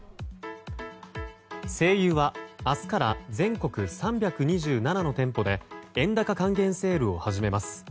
西友は明日から全国３２７の店舗で円高還元セールを始めます。